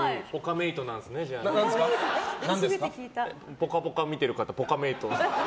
「ぽかぽか」を見てる方ぽかメイト。